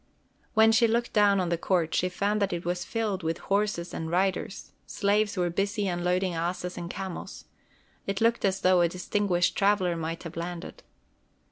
When she looked down on the court, she found that it was filled with horses and riders, slaves were busy unloading asses and camels. It looked as though a distinguished traveler might have landed.